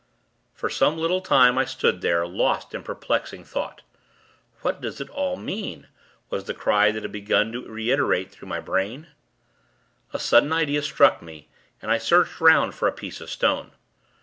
For some little time, I stood there, lost in perplexing thought. 'What does it all mean?' was the cry that had begun to reiterate through my brain. A sudden idea struck me, and I searched 'round for a piece of stone.